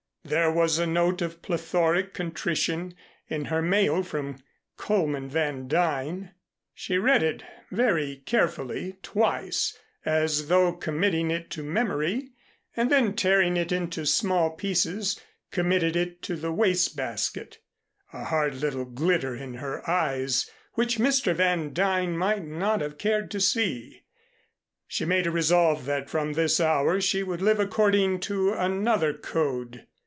There was a note of plethoric contrition in her mail from Coleman Van Duyn. She read it very carefully twice as though committing it to memory, and then tearing it into small pieces committed it to the waste basket, a hard little glitter in her eyes which Mr. Van Duyn might not have cared to see. She made a resolve that from this hour she would live according to another code.